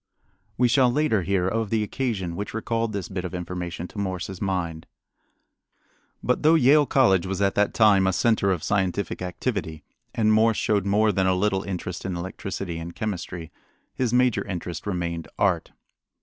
We shall later hear of the occasion which recalled this bit of information to Morse's mind. But though Yale College was at that time a center of scientific activity, and Morse showed more than a little interest in electricity and chemistry, his major interest remained art.